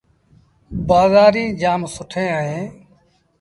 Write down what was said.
بآزآريٚݩ جآم سُٺيٚن اهيݩ۔